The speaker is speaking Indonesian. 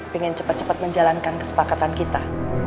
pengen cepet cepet menjalankan kesepakatan kita